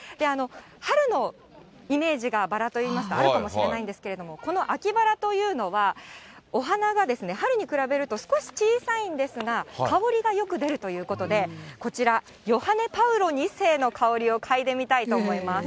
春のイメージがバラといいますと、あるかもしれないんですけれども、この秋バラというのは、お花が春に比べると少し小さいんですが、香りがよく出るということで、こちら、ヨハネパウロ２世の香りを嗅いでみたいと思います。